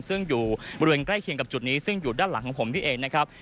ซึ่งอยู่บริเวณใกล้เคียงกับจุดนี้ซึ่งอยู่ด้านหลังของผมนี่เองนะครับ